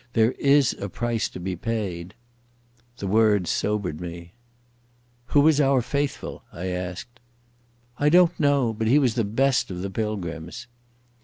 There is a price to be paid." The words sobered me. "Who is our Faithful?" I asked. "I don't know. But he was the best of the Pilgrims."